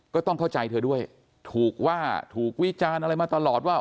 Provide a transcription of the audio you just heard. ก็ต้องเข้าใจเธอด้วยถูกว่าถูกวิจารณ์อะไรมาตลอดว่า